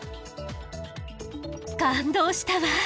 感動したわ。